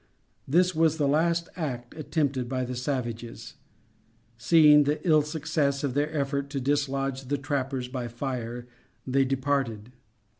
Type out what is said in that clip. This was the last act attempted by the savages. Seeing the ill success of their effort to dislodge the trappers by fire, they departed.